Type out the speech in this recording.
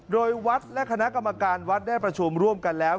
โดยวัดและคณะกรรมการวัดได้ประชุมร่วมกันแล้ว